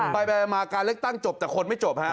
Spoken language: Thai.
ไปมาการเลือกตั้งจบแต่คนไม่จบฮะ